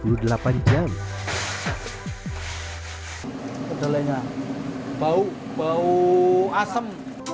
kedelainya bau bau asem